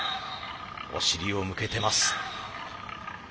お尻を向けてます。